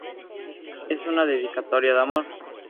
Es una dedicatoria de amor.